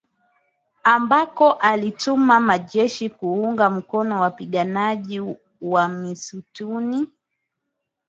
ambako alituma majeshi kuunga mkono wapiganaji wa msituni